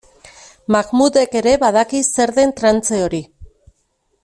Mahmudek ere badaki zer den trantze hori.